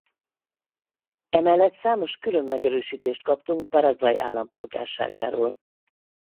Emellett számos külön megerősítést kaptunk Paraguay állampolgárságáról.